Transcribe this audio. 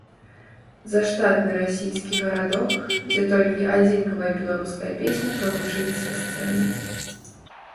Заштатны расійскі гарадок, дзе толькі адзінкавая беларуская песня прагучыць са сцэны.